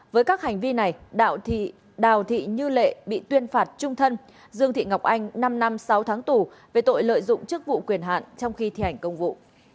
với các hành vi này đào thị như lệ bị tuyên phạt trung thân dương thị ngọc anh năm năm sáu tháng tù về tội lợi dụng chức vụ quyền hạn trong khi thi hành công vụ